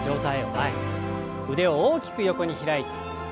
腕を大きく横に開いて。